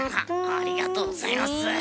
ありがとうございます。